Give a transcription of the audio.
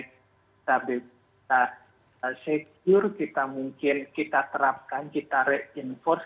kita bisa secure kita mungkin kita terapkan kita reinforce